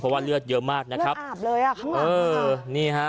เพราะว่าเลือดเยอะมากนะครับอาบเลยอ่ะข้างหลังเออนี่ฮะ